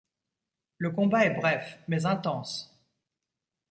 Le combat est bref mais intense.